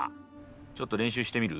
ちょっと練習してみる？